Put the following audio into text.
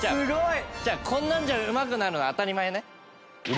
こんなんじゃうまくなるの当たり前ね。